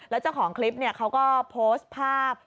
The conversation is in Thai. แล้วเจ้าของคลิปเขาก็โพสต์ภาพ